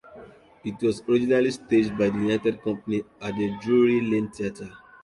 It was originally staged by the United Company at the Drury Lane Theatre.